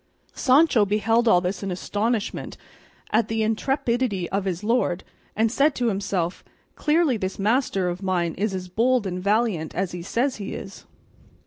Sancho beheld all this in astonishment at the intrepidity of his lord, and said to himself, "Clearly this master of mine is as bold and valiant as he says he is."